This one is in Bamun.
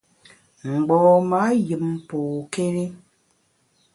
Mgbom-a yùm pokéri.